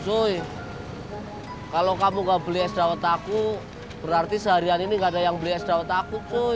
cuy kalau kamu gak beli es dawet aku berarti seharian ini gak ada yang beli es dawet aku cuy